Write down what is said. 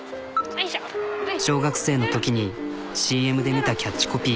小学生のときにＣＭで見たキャッチコピー。